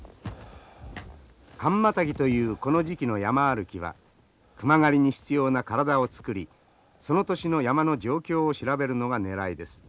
寒マタギというこの時期の山歩きは熊狩りに必要な体をつくりその年の山の状況を調べるのがねらいです。